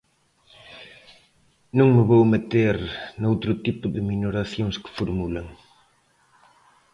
Non me vou meter noutro tipo de minoracións que formulan.